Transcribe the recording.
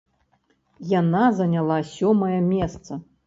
Яна заняла сёмае месца.